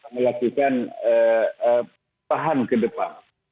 melakukan tahan ke depan